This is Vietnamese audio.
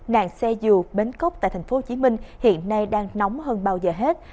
nạn xe dù bến cốc tại tp hcm hiện nay đang nóng hơn bao giờ hết